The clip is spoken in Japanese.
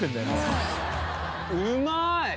うまい！